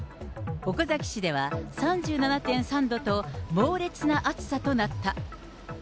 岡崎市では３７．３度と、猛烈な暑さとなった。